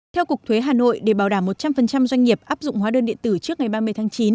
theo cục thuế hà nội để bảo đảm một trăm linh doanh nghiệp áp dụng hóa đơn điện tử trước ngày ba mươi tháng chín